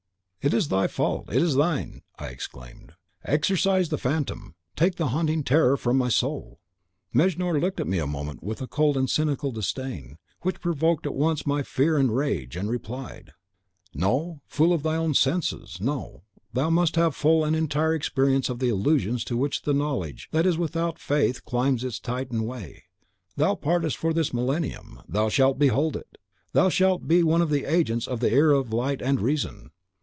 "'It is thy fault, it is thine!' I exclaimed. 'Exorcise the phantom! Take the haunting terror from my soul!' "Mejnour looked at me a moment with a cold and cynical disdain which provoked at once my fear and rage, and replied, "'No; fool of thine own senses! No; thou must have full and entire experience of the illusions to which the Knowledge that is without Faith climbs its Titan way. Thou pantest for this Millennium, thou shalt behold it! Thou shalt be one of the agents of the era of Light and Reason.